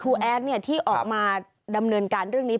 แอดที่ออกมาดำเนินการเรื่องนี้